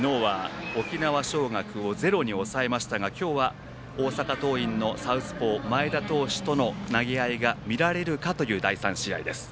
昨日は沖縄尚学を今日は大阪桐蔭のサウスポー前田投手との投げ合いが見られるかという第３試合です。